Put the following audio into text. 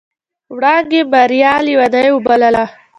وړانګې ماريا ليونۍ وبلله.